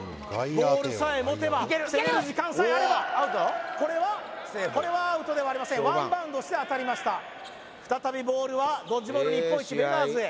ボールさえ持てば攻める時間さえあればこれはアウトではありませんワンバウンドして当たりました再びボールはドッジボール日本一Ｖｅｇａｅｓへ